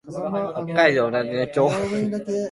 北海道洞爺湖町